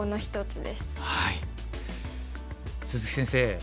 鈴木先生